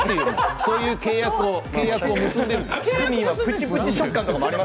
そういう契約を結んでいるんです。